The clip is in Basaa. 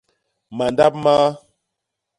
Mandap maa.